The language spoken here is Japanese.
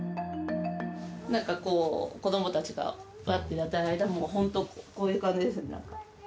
なんかこう、子どもたちがこうやってる間、本当、こういう感じですね。